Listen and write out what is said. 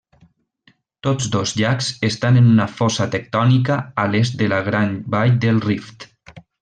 Tots dos llacs estan en una fossa tectònica a l'est del Gran Vall del Rift.